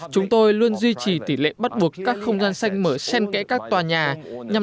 chúng tôi luôn duy trì tỷ lệ bắt buộc các không gian xanh mở sen kẽ các tòa nhà